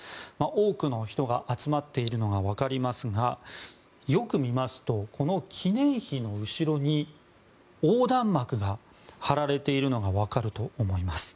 多くの人が集まっているのが分かりますがよく見ますと、記念碑の後ろに横断幕が張られているのが分かると思います。